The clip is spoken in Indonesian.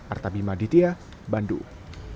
artabima ditya bandung